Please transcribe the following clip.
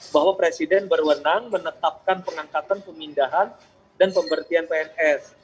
bahwa presiden berwenang menetapkan pengangkatan pemindahan dan pemberhentian pns